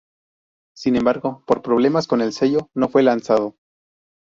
Sin embargo, por problemas con el sello, no fue lanzado.